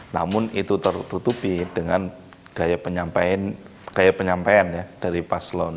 namun itu tertutupi dengan gaya penyampaian ya dari paslon